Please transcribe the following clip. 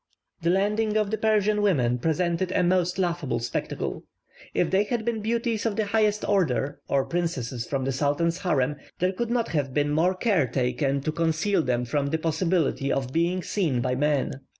The landing of the Persian women presented a most laughable spectacle: if they had been beauties of the highest order, or princesses from the sultan's harem, there could not have been more care taken to conceal them from the possibility of being seen by men.